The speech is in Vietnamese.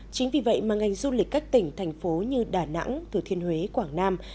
chính vì vậy mà ngành du lịch các tỉnh thành phố như đà nẵng thừa thiên huế quảng nam